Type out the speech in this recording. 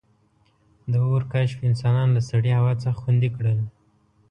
• د اور کشف انسانان له سړې هوا څخه خوندي کړل.